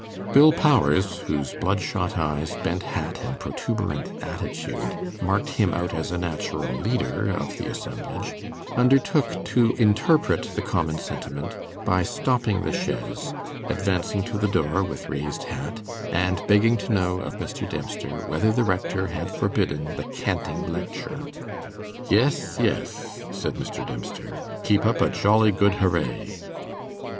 Bill Powers, whose bloodshot eyes, bent hat, and protuberant altitude, marked him out as the natural leader of the assemblage, undertook to interpret the common sentiment by stopping the chaise, advancing to the door with raised hat, and begging to know of Mr. Dempster, whether the Rector had forbidden the 'canting lecture'. 'Yes, yes,' said Mr. Dempster. 'Keep up a jolly good hurray.